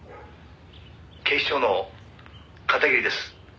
「警視庁の片桐です」